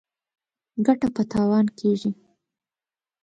ګټه په تاوان کېږي.